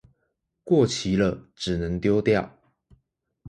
過期了只能丟掉